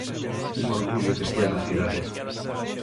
Un orgullo que estea na cidade.